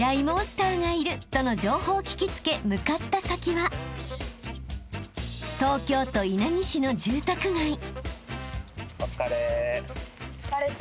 モンスターがいるとの情報を聞き付け向かった先は東京都稲城市の住宅街］